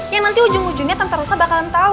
yang nanti ujung ujungnya tante rosa bakalan tau